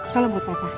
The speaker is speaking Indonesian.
salam buat papa